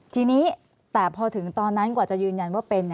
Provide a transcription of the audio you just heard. ทีนี้แต่พอถึงตอนนั้นกว่าจะยืนยันว่าเป็น